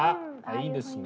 いいですね。